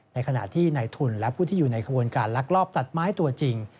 ในขณะที่ในทุนและผู้ที่อยู่ในขบวนการลักลอบตัดไม้ตัวจริง